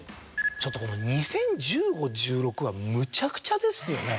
ちょっとこの２０１５２０１６はむちゃくちゃですよね。